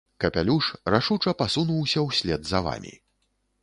Капялюш рашуча пасунуўся ўслед за вамі.